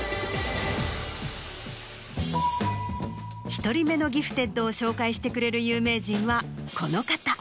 １人目のギフテッドを紹介してくれる有名人はこの方。